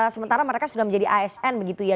sementara mereka sudah menjadi asn begitu ya